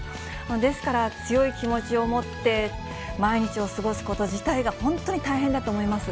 ですから強い気持ちを持って、毎日を過ごすこと自体が本当に大変だと思います。